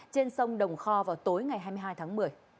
trên sông đồng kho vào tối ngày hai mươi hai tháng một mươi